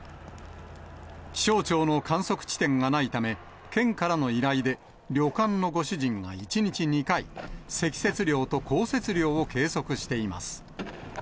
気象庁の観測地点がないため、県からの依頼で、旅館のご主人が１日２回、積雪量と降雪量を計測しています。